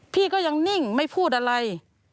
พี่ก็ยังนิ่งไม่พูดอะไร